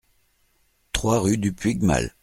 trois rue du Puigmal